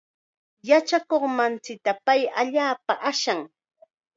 Yachakuqmasinta pay allaapam ashan.